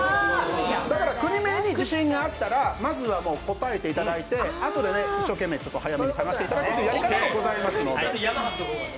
国名に自信があったらまずは答えていただいて、あとで一生懸命、早めに探していただくというやり方もございますので。